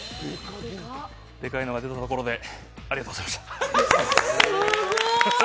デカイのが出たところでありがとうございました。